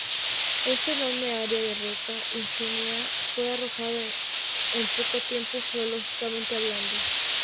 Esta enorme área de roca ígnea fue arrojada en poco tiempo, geológicamente hablando.